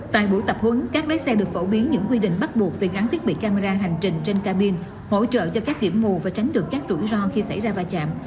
tại buổi tập huấn các lái xe được phổ biến những quy định bắt buộc về gắn thiết bị camera hành trình trên cabin hỗ trợ cho các điểm mù và tránh được các rủi ro khi xảy ra va chạm